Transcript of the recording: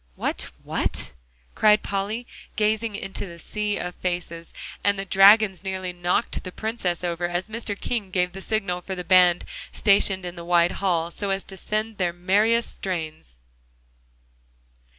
"What, what?" cried Polly, gazing into the sea of faces, and the dragons nearly knocked the Princess over as Mr. King gave the signal for the band stationed in the wide hall, to send out their merriest strains.